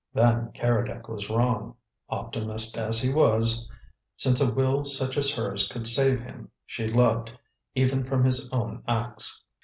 Then Keredec was wrong, optimist as he was, since a will such as hers could save him she loved, even from his own acts.